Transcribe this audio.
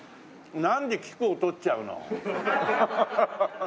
なんで「キク」を取っちゃうの。